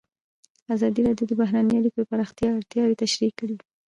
ازادي راډیو د بهرنۍ اړیکې د پراختیا اړتیاوې تشریح کړي.